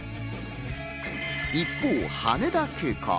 一方、羽田空港。